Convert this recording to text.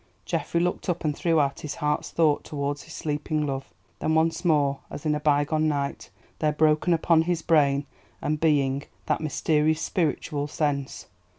Geoffrey looked up and threw out his heart's thought towards his sleeping love. Then once more, as in a bygone night, there broke upon his brain and being that mysterious spiritual sense.